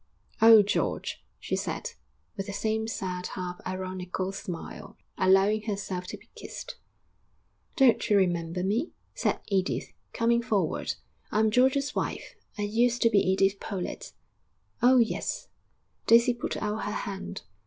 'Oh, George!' she said, with the same sad, half ironical smile, allowing herself to be kissed. 'Don't you remember me?' said Edith, coming forward. 'I'm George's wife; I used to be Edith Pollett.' 'Oh, yes!' Daisy put out her hand.